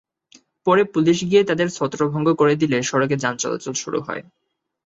পরে পুলিশ গিয়ে তাঁদের ছত্রভঙ্গ করে দিলে সড়কে যানচলাচল শুরু হয়।